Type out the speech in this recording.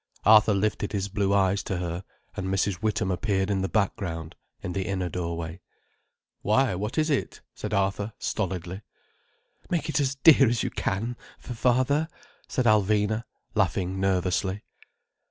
Arthur lifted his blue eyes to her, and Mrs. Witham appeared in the background, in the inner doorway. "Why, what is it?" said Arthur stolidly. "Make it as dear as you can, for father," said Alvina, laughing nervously.